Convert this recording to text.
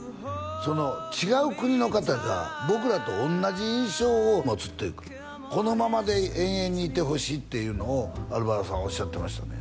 違う国の方が僕らと同じ印象を持つっていうか「このままで永遠にいてほしい」っていうのをアルバロさんはおっしゃってましたね